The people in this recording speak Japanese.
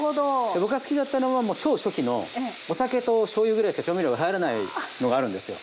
僕が好きだったのはもう超初期のお酒としょうゆぐらいしか調味料が入らないのがあるんですよ。